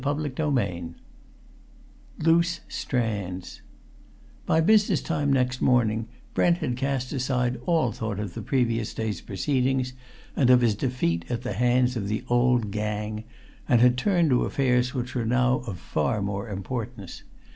CHAPTER XVIII LOOSE STRANDS By business time next morning Brent had cast aside all thought of the previous day's proceedings and of his defeat at the hands of the Old Gang, and had turned to affairs which were now of far more importance.